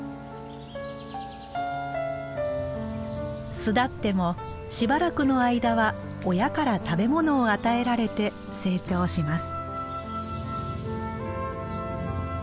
巣立ってもしばらくの間は親から食べ物を与えられて成長します。